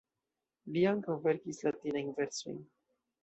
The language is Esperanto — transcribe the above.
Li ankaŭ verkis latinajn versojn.